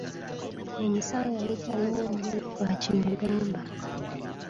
Omusawo yali talina ngeri bw'akimugamba.